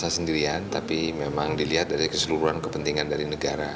saya sendirian tapi memang dilihat dari keseluruhan kepentingan dari negara